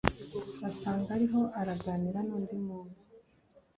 basanga ariho araganira n’undi muntu